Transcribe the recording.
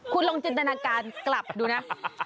คุณลองจินตนาการกลับดูนะ